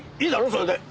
それで。